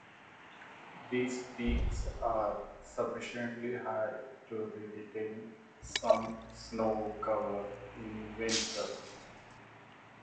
These peaks are sufficiently high to retain some snow cover in winter.